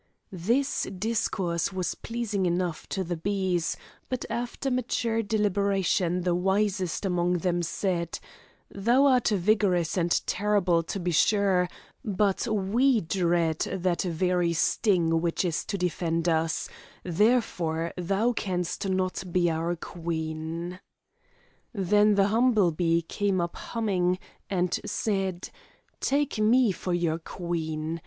This discourse was pleasing enough to the bees, but after mature deliberation the wisest among them said: 'Thou art vigorous and terrible to be sure, but we dread that very sting which is to defend us; therefore thou canst not be our queen.' Then the humble bee came up humming, and said: 'Take me for your queen!